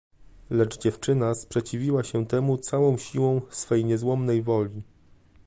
"Lecz dziewczyna sprzeciwiła się temu całą siłą swej niezłomnej woli."